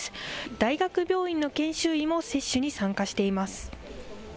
大学病院の研修医も接種に参加しています。